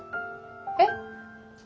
えっ？